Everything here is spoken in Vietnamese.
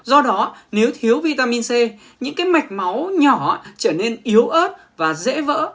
do đó nếu thiếu vitamin c những mạch máu nhỏ trở nên yếu ớt và dễ vỡ